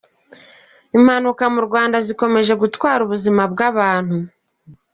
Impanuka mu Rwanda zikomeje gutwara ubuzima bw’abantu.